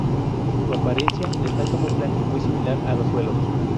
Su apariencia les da un camuflaje muy similar a los suelos.